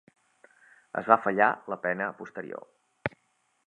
Es va fallar la pena posterior.